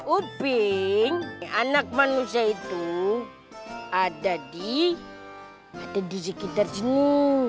uping anak manusia itu ada di sekitar sini